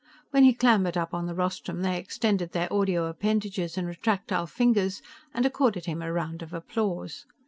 When he clambered up on the rostrum they extended their audio appendages and retractile fingers and accorded him a round of applause.